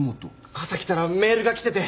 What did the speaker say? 朝来たらメールが来てて。